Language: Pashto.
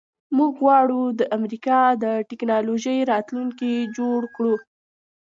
موږ غواړو د امریکا د ټیکنالوژۍ راتلونکی جوړ کړو